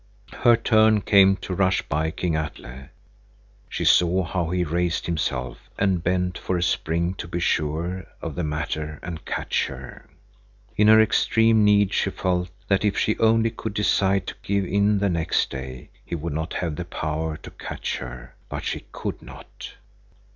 Her turn came to rush by King Atle. She saw how he raised himself and bent for a spring to be sure of the matter and catch her. In her extreme need she felt that if she only could decide to give in the next day, he would not have the power to catch her, but she could not.